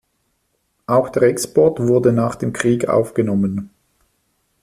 Auch der Export wurde nach dem Krieg aufgenommen.